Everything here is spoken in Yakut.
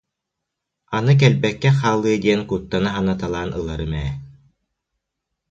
«Аны кэлбэккэ хаалыа диэн куттана санаталаан ыларым ээ»